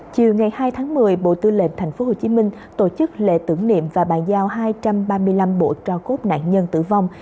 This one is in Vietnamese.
chiều ngày hai tháng một mươi bộ tư lệnh tp hcm tổ chức lễ tưởng niệm và bàn giao hai trăm ba mươi năm bộ cho cốt nạn nhân tử vong